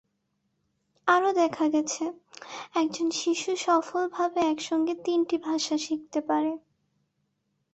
আরও দেখা গেছে, একজন শিশু সফলভাবে একসঙ্গে তিনটি ভাষা শিখতে পারে।